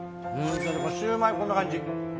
シューマイこんな感じ。